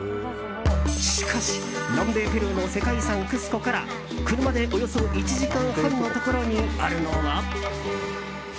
しかし、南米ペルーの世界遺産クスコから車でおよそ１時間半のところにあるのは。